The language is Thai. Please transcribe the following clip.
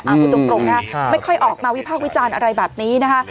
พูดตรงนะคะไม่ค่อยออกมาวิพากษ์วิจารณ์อะไรแบบนี้นะคะ